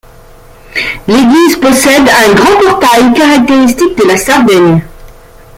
L'église possède un grand portail caractéristique de la Sardaigne.